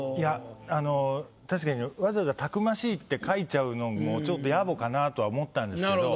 あの確かにわざわざ「たくましい」って書いちゃうのもちょっと野暮かなとは思ったんですけど。